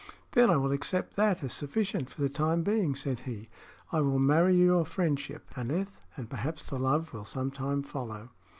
"Then I will accept that as sufficient for the time being," said he. "I will marry your friendship, Aneth, and perhaps the love will some time follow."